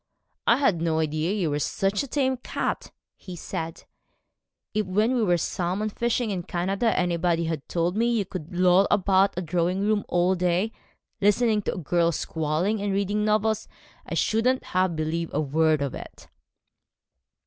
'I had no idea you were such a tame cat,' he said: 'if when we were salmon fishing in Canada anybody had told me you could loll about a drawing room all day listening to a girl squalling and reading novels, I shouldn't have believed a word of it.'